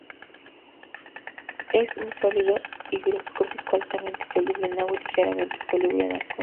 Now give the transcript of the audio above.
Es un sólido higroscópico altamente soluble en agua y ligeramente soluble en alcohol.